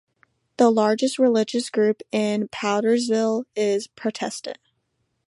The largest religious group in Powdersville is Protestant.